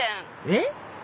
えっ？